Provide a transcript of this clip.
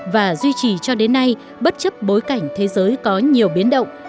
và duy trì cho đến nay bất chấp bối cảnh thế giới có nhiều biến động